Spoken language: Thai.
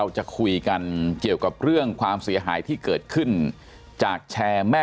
จะคุยกันเกี่ยวกับเรื่องความเสียหายที่เกิดขึ้นจากแชร์แม่